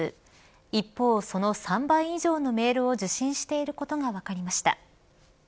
一方、その３倍以上のメールを受信していることが分かりました。